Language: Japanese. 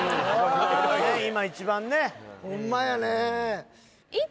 今一番ねホンマやね